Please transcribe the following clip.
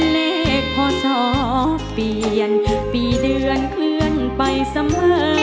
เลขพ่อซ้อเปลี่ยนปีเดือนเกินไปเสมอ